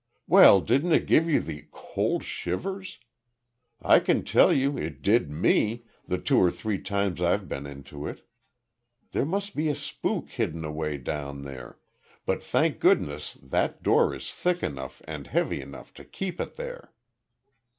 "Well, didn't it give you the cold shivers? I can tell you it did me, the two or three times I've been into it. There must be a spook hidden away down there, but thank goodness that door is thick enough and heavy enough to keep it there."